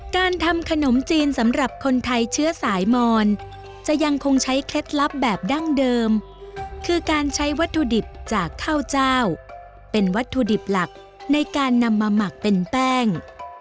การทำขนมจีนสำหรับคนไทยเชื้อสายมอนจะยังคงใช้เคล็ดลับแบบดั้งเดิมคือการใช้วัตถุดิบจากข้าวเจ้าเป็นวัตถุดิบหลักในการนำมาหมักเป็นแป้ง